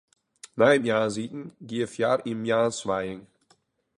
Nei it moarnsiten gie er foar yn in moarnswijing.